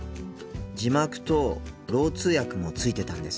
字幕とろう通訳もついてたんですよ。